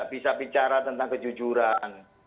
bisa bicara tentang kejujuran